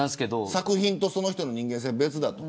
作品と、その人の人間性は別だと。